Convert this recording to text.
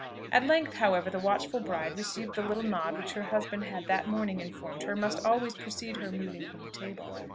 At length, however, the watchful bride received the little nod which her husband had that morning informed her must always precede her moving from table.